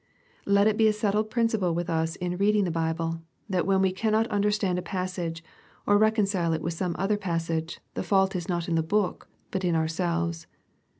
Let it be a settled principle with us in reading the Bible, that when we cannot understand a passage, or reconcile it with some other passage, the fault is not in the Book, but in ourselves.